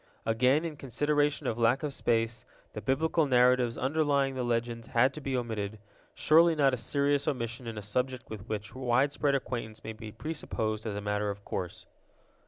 Again, in consideration of lack of space the Biblical narratives underlying the legends had to be omitted—surely not a serious omission in a subject with which widespread acquaintance may be presupposed as a matter of course.